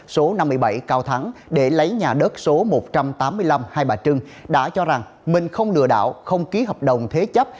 số năm mươi bảy cao thắng để lấy nhà đất số một trăm tám mươi năm hai bà trưng đã cho rằng minh không lừa đảo không ký hợp đồng thế chấp